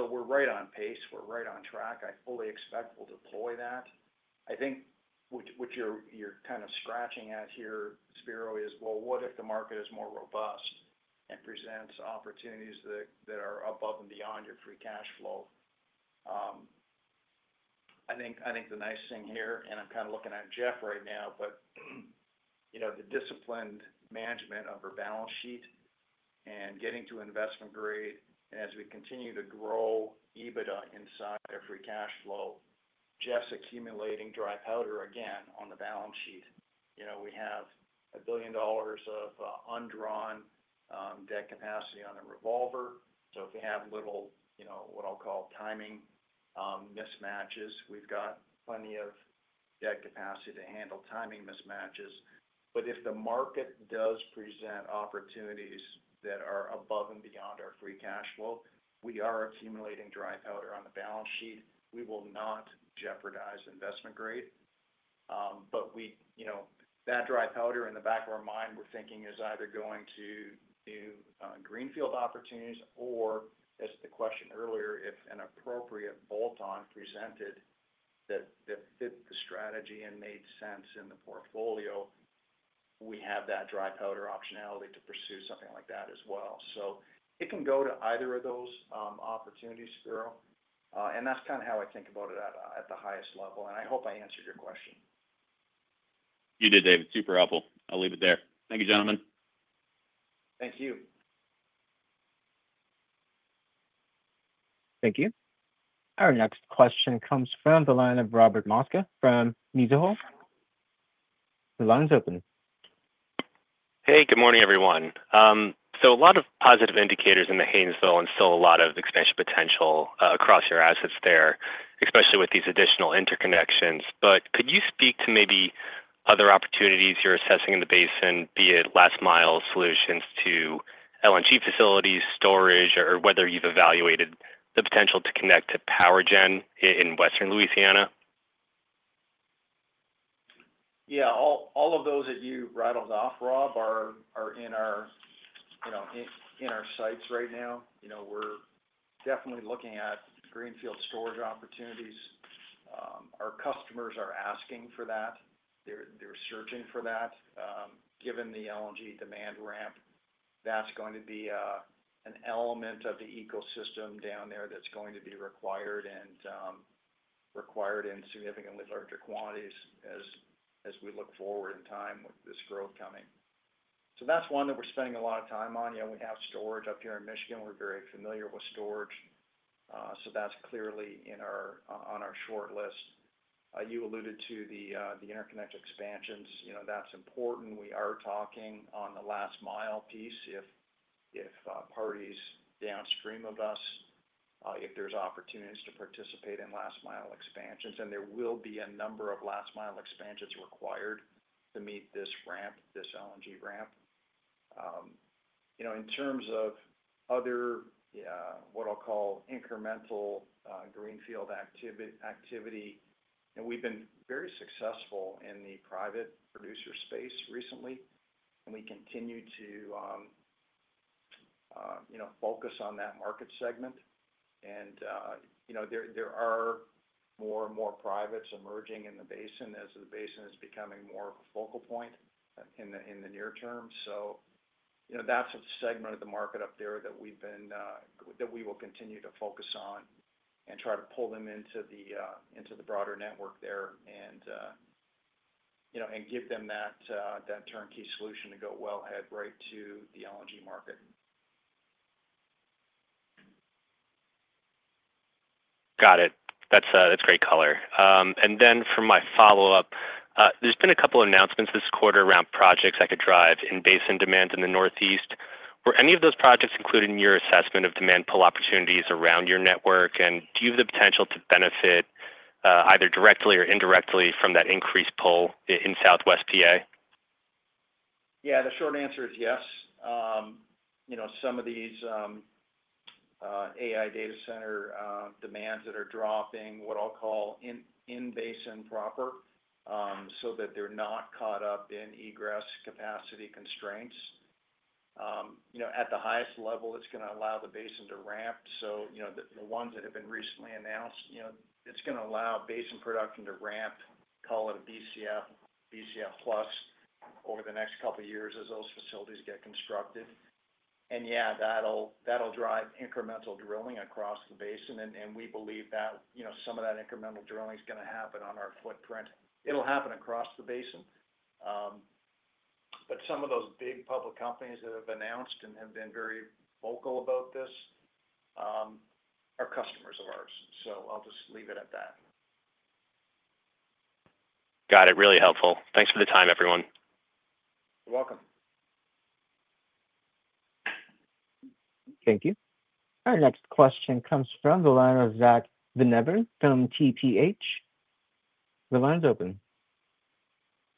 We're right on pace. We're right on track. I fully expect we'll deploy that. I think what you're kind of scratching at here, Spiro, is, what if the market is more robust and presents opportunities that are above and beyond your free cash flow? I think the nice thing here, and I'm kind of looking at Jeff right now, the disciplined management of our balance sheet and getting to investment grade, and as we continue to grow EBITDA inside our free cash flow, Jeff's accumulating dry powder again on the balance sheet. We have $1 billion of undrawn debt capacity on the revolver. If we have little, what I'll call, timing mismatches, we've got plenty of debt capacity to handle timing mismatches. If the market does present opportunities that are above and beyond our free cash flow, we are accumulating dry powder on the balance sheet. We will not jeopardize investment grade. That dry powder in the back of our mind, we're thinking is either going to new greenfield opportunities, or as the question earlier, if an appropriate bolt-on presented that fit the strategy and made sense in the portfolio, we have that dry powder optionality to pursue something like that as well. It can go to either of those opportunities, Spiro. That's kind of how I think about it at the highest level. I hope I answered your question. You did, David. Super helpful. I'll leave it there. Thank you, gentlemen. Thank you. Thank you. Our next question comes from the line of Robert Mosca from Mizuho. The line's open. Good morning, everyone. There are a lot of positive indicators in the Haynesville and still a lot of expansion potential across your assets there, especially with these additional interconnections. Could you speak to maybe other opportunities you're assessing in the basin, be it last-mile solutions to LNG facilities, storage, or whether you've evaluated the potential to connect to PowerGen in Western Louisiana? Yeah. All of those that you rattled off, Rob, are in our sights right now. We're definitely looking at greenfield storage opportunities. Our customers are asking for that. They're searching for that. Given the LNG demand ramp, that's going to be an element of the ecosystem down there that's going to be required and required in significantly larger quantities as we look forward in time with this growth coming. That's one that we're spending a lot of time on. We have storage up here in Michigan. We're very familiar with storage. That's clearly on our short list. You alluded to the interconnect expansions. That's important. We are talking on the last-mile piece if parties downstream of us. If there's opportunities to participate in last-mile expansions. There will be a number of last-mile expansions required to meet this ramp, this LNG ramp. In terms of other, what I'll call, incremental greenfield activity, we've been very successful in the private producer space recently. We continue to focus on that market segment. There are more and more privates emerging in the basin as the basin is becoming more of a focal point in the near term. That's a segment of the market up there that we've been, that we will continue to focus on and try to pull them into the broader network there and give them that turnkey solution to go well ahead, right, to the LNG market. Got it. That's great. For my follow-up, there's been a couple of announcements this quarter around projects that could drive in-basin demand in the Northeast. Were any of those projects included in your assessment of demand pull opportunities around your network? Do you have the potential to benefit either directly or indirectly from that increased pull in Southwest PA? Yeah. The short answer is yes. Some of these AI data center demands that are dropping, what I'll call in basin proper, so that they're not caught up in egress capacity constraints. At the highest level, it's going to allow the basin to ramp. The ones that have been recently announced, it's going to allow basin production to ramp, call it a BCF plus over the next couple of years as those facilities get constructed. Yeah, that'll drive incremental drilling across the basin. We believe that some of that incremental drilling is going to happen on our footprint. It'll happen across the basin. Some of those big public companies that have announced and have been very vocal about this are customers of ours. I'll just leave it at that. Got it. Really helpful. Thanks for the time, everyone. You're welcome. Thank you. Our next question comes from the line of Zack Van Everen from TPH. The line's open.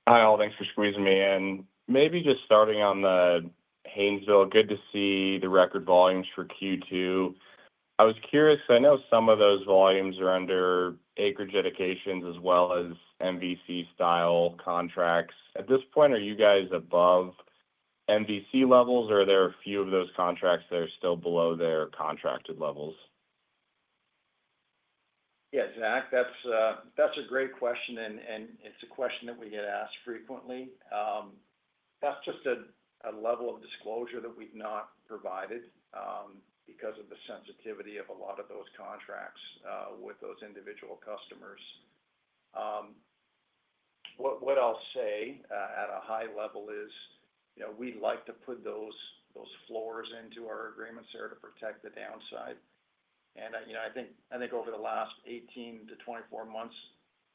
Hi, all. Thanks for squeezing me in. Maybe just starting on the Haynesville, good to see the record volumes for Q2. I was curious, I know some of those volumes are under acreage dedications as well as MVC-style contracts. At this point, are you guys above MVC levels, or are there a few of those contracts that are still below their contracted levels? Yeah, Zack, that's a great question. It's a question that we get asked frequently. That's just a level of disclosure that we've not provided because of the sensitivity of a lot of those contracts with those individual customers. What I'll say at a high level is we'd like to put those floors into our agreements there to protect the downside. I think over the last 18 to 24 months,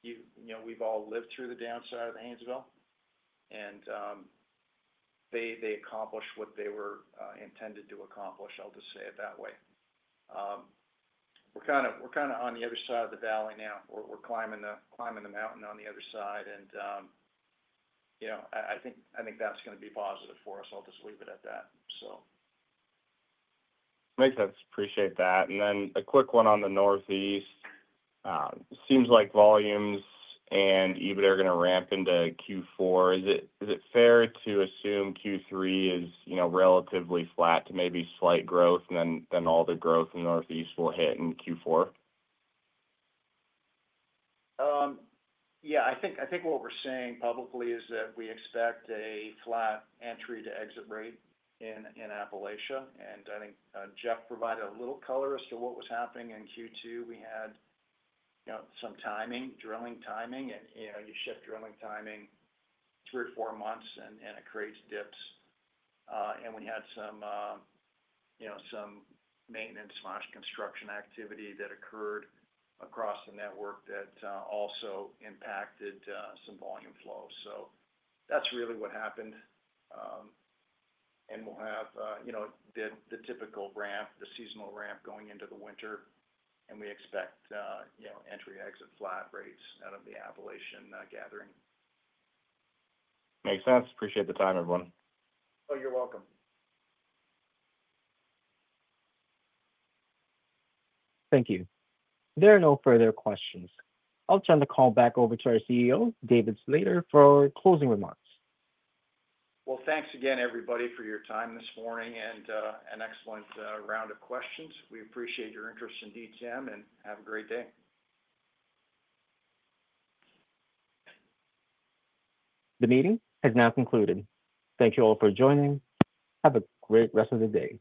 we've all lived through the downside of the Haynesville. They accomplished what they were intended to accomplish, I'll just say it that way. We're kind of on the other side of the valley now, climbing the mountain on the other side. I think that's going to be positive for us. I'll just leave it at that. Makes sense. Appreciate that. A quick one on the northeast. Seems like volumes and EBIT are going to ramp into Q4. Is it fair to assume Q3 is relatively flat to maybe slight growth, and then all the growth in the northeast will hit in Q4? Yeah. I think what we're saying publicly is that we expect a flat entry-to-exit rate in Appalachia. I think Jeff provided a little color as to what was happening in Q2. We had some drilling timing, and you shift drilling timing three or four months, and it creates dips. We had some maintenance/construction activity that occurred across the network that also impacted some volume flow. That's really what happened. We'll have the typical ramp, the seasonal ramp going into the winter, and we expect entry/exit flat rates out of the Appalachian gathering. Makes sense. Appreciate the time, everyone. Oh, you're welcome. Thank you. There are no further questions. I'll turn the call back over to our CEO, David Slater, for closing remarks. Thank you again, everybody, for your time this morning and an excellent round of questions. We appreciate your interest in DTM and have a great day. The meeting has now concluded. Thank you all for joining. Have a great rest of the day.